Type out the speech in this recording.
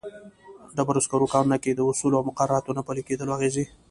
ډبرو سکرو کانونو کې د اصولو او مقرراتو نه پلي کېدلو اغېزې.